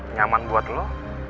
nyaman buat lo